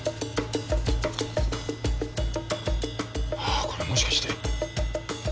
あこれもしかして。